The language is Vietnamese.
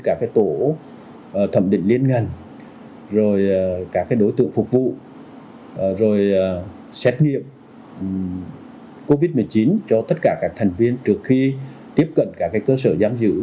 các tổ thẩm định liên ngành rồi các đối tượng phục vụ rồi xét nghiệm covid một mươi chín cho tất cả các thành viên trước khi tiếp cận các cơ sở giam giữ